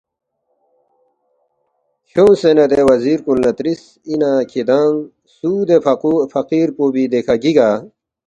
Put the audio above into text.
کھیونگسے نہ دے وزیر کُن لہ ترِس، ”اِنا کِھدانگ سُو دے فقیر پو بی دیکھہ گِگا ؟“